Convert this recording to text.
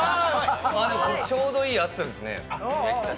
これ、ちょうどいい熱さですね。